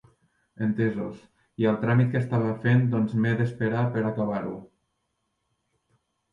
Entesos, i el tràmit que estava fent doncs m'he d'esperar per acabar-ho.